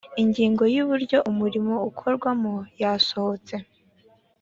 ingingo y’uburyo umurimo ukorwamo yasohotse.